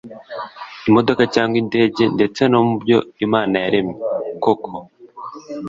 imodoka cyangwa indege, ndetse no mu byo imana yaremye. koko